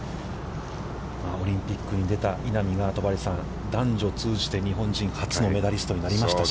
オリンピックに出た稲見が、戸張さん、男女通じて日本人初のメダリストになりましたし。